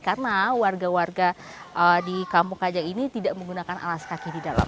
karena warga warga di kampung kajang ini tidak menggunakan alas kaki di dalam